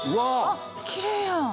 あっきれいやん。